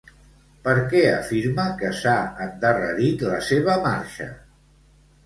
Per què afirma que s'ha endarrerit la seva marxa?